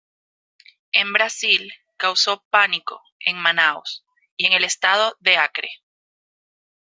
En Brasil causó pánico en Manaus y en el estado de Acre.